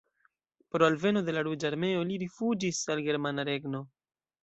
Pro alveno de Ruĝa Armeo li rifuĝis al Germana Regno.